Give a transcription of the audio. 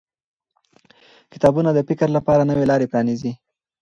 کتابونه د فکر لپاره نوې لارې پرانیزي